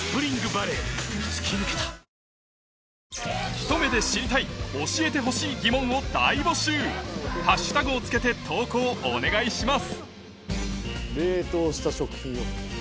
ひと目で知りたい教えてほしい疑問を大募集ハッシュタグを付けて投稿をお願いします